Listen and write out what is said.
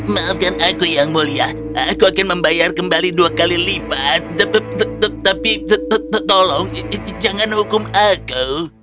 maafkan aku yang mulia aku akan membayar kembali dua kali lipat tapi tetap tolong jangan hukum aku